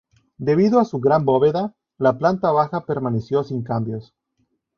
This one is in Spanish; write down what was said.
Debido a su gran bóveda, la planta baja permaneció sin cambios.